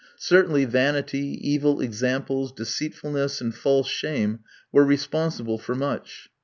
Certainly vanity, evil examples, deceitfulness, and false shame were responsible for much.